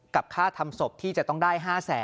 กับค่าทำศพที่จะต้องได้๕๐๐๐